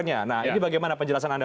nah ini bagaimana penjelasan anda